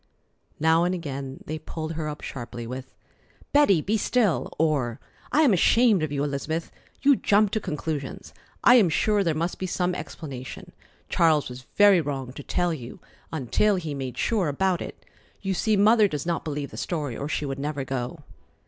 Now and again they pulled her up sharply with: "Betty, be still!" or "I am ashamed of you Elizabeth. You jump to conclusions. I am sure there must be some explanation. Charles was very wrong to tell you until he had made sure about it. You see Mother does not believe the story, or she would never go."